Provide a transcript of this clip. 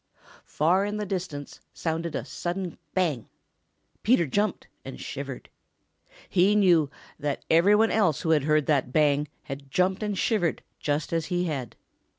Far in the distance sounded a sudden bang. Peter jumped and shivered. He knew that every one else who had heard that bang had jumped and shivered just as he had.